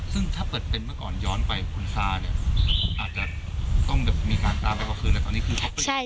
ซึ่งถ้าเปิดเป็นเมื่อก่อนย้อนไปคุณซาอาจจะต้องมีการตามไปกว่าคืน